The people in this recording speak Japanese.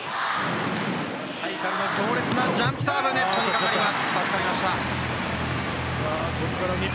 ハイカルの強烈なジャンプサーブネットにかかります。